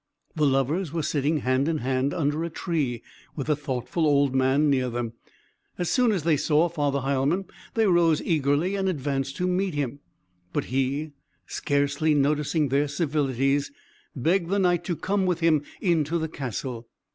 The lovers were sitting hand in hand under a tree, with the thoughtful old man near them; as soon as they saw Father Heilmann, they rose eagerly and advanced to meet him. But he, scarcely noticing their civilities, begged the Knight to come with him into the castle.